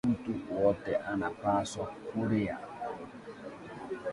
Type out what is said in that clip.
Muntu wote ana pashwa kuria